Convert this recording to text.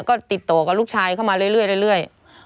ก็ติดต่อกับลูกชายเข้ามาเรื่อย